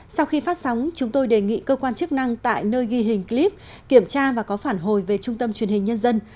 sau khi phát sóng chúng tôi đề nghị cơ quan chức năng tại nơi ghi hình clip kiểm tra và có phản hồi về trung tâm truyền hình nhân dân